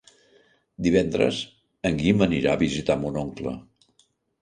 Divendres en Guim anirà a visitar mon oncle.